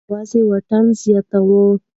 دا یوازې واټن زیاتوي.